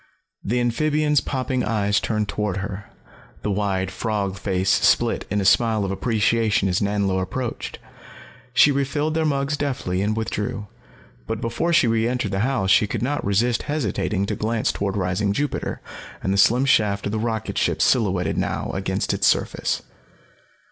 The amphibian's popping eyes turned toward her, the wide frog face split in a smile of appreciation as Nanlo approached. She refilled their mugs deftly and withdrew. But before she reentered the house she could not resist hesitating to glance toward rising Jupiter and the slim shaft of the rocketship silhouetted now against its surface.